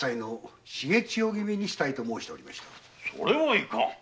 それはいかん。